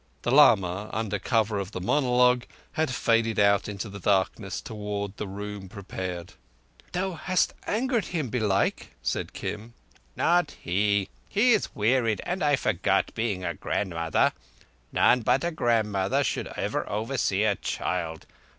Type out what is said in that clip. The lama, under cover of the monologue, had faded out into the darkness towards the room prepared. "Thou hast angered him, belike," said Kim. "Not he. He is wearied, and I forgot, being a grandmother. (None but a grandmother should ever oversee a child.